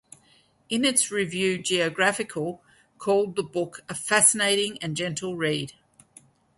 In its review "Geographical" called the book ""a fascinating and gentle read"".